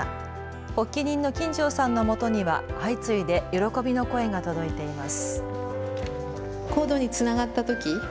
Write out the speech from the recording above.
発起人の金城さんのもとには相次いで喜びの声が届いています。